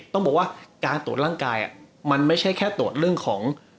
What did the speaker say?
ต้องบอกว่าการตรวจร่างกายมันไม่ใช่แค่ตรวจเรื่องของ